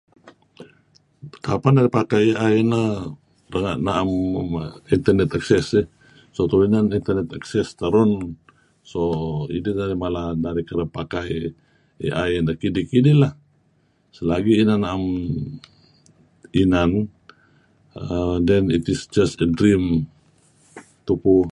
Kapeh neh narih pakai AI ineh renga' na'em internet access eh? Setu'uh inan internate access idih teh narih kereb mala narih pakai AI neh kidih-kidih lah. Selagi' inah na'em inan then it's just a dream tupu.